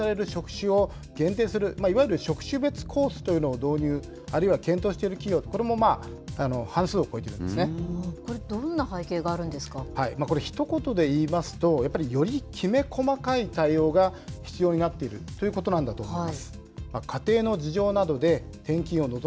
さらに、最初に配属される職種を限定する、いわゆる職種別コースというのを導入、あるいは検討している企業、これも半数を超えてこれ、どんな背景があるんでひと言で言いますと、やっぱりよりきめ細かい対応が必要になっているということなんだと思います。